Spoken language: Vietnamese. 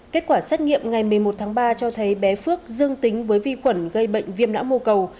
kết quả xét nghiệm ngày một mươi một tháng ba cho thấy bé phước dương tính với vi khuẩn gây bệnh viêm não mô cầu